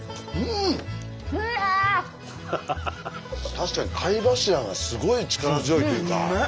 確かに貝柱がすごい力強いっていうか。